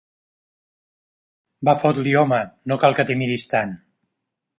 Va, fot-li, home: no cal que t'hi miris tant!